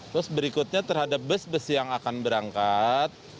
terus berikutnya terhadap bus bus yang akan berangkat